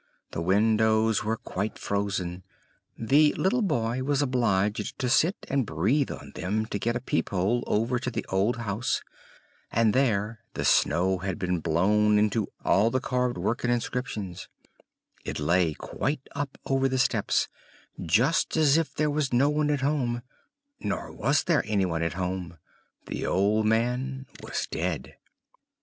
The windows were quite frozen, the little boy was obliged to sit and breathe on them to get a peep hole over to the old house, and there the snow had been blown into all the carved work and inscriptions; it lay quite up over the steps, just as if there was no one at home nor was there any one at home the old man was dead!